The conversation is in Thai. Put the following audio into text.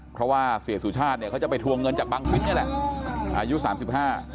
เพราะว่าเสียสุชาติเนี่ยเขาจะไปทวงเงินจากบังฟิศนี่แหละอายุสามสิบห้า